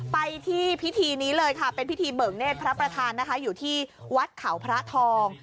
ไปที่พิธีนี้เลยค่ะเป็นพิธีเบิกเนธพระประธานนะคะอยู่ที่วัดเขาพระทอง